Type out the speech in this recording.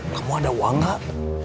kamu ada uang gak